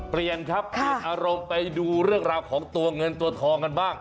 เปลี่ยนครับเปลี่ยนอารมณ์ไปดูเรื่องราวของตัวเงินตัวทองกันบ้าง